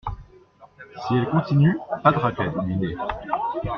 Si elle continue, pas de raclette au dîner.